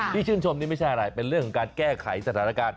ชื่นชมนี่ไม่ใช่อะไรเป็นเรื่องของการแก้ไขสถานการณ์